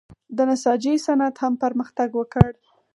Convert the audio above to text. د نساجۍ صنعت هم پرمختګ وکړ.